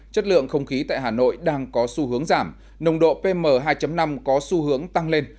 chất lượng không khí tại hà nội đang có xu hướng giảm nồng độ pm hai năm có xu hướng tăng lên